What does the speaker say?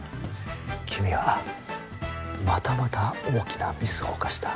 君はまたまた大きなミスを犯した。